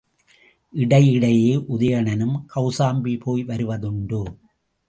இடைஇடையே உதயணனும் கௌசாம்பி போய் வருவதுண்டு.